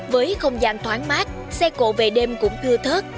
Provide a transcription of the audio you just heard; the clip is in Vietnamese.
với không gian thoáng mát xe cộ về đêm cũng thưa thớt